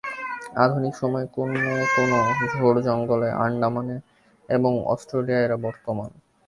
আধুনিক সময়ে কোন কোন ঝোড়-জঙ্গলে, আণ্ডামানে এবং অষ্ট্রেলিয়ায় এরা বর্তমান।